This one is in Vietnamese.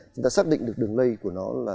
chúng ta xác định được đường lây của nó là